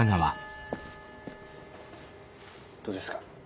どうですか？